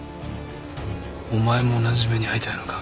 お前も同じ目に遭いたいのか？